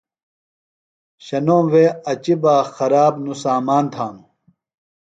شنوم وے اچیۡ بہ ، خراب نوۡ سامان تھانوۡ